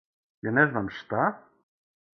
Ја не знам шта?